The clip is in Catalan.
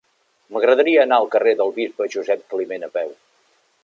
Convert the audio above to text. M'agradaria anar al carrer del Bisbe Josep Climent a peu.